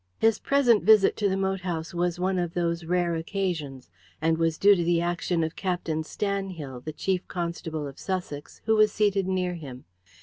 His present visit to the moat house was one of those rare occasions, and was due to the action of Captain Stanhill, the Chief Constable of Sussex, who was seated near him.